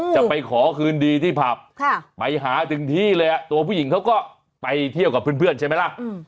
จะไปขอคืนดีที่ผับไปหาถึงที่เลยตัวผู้หญิงเขาก็ไปเที่ยวกับเพื่อนใช่ไหมล่ะ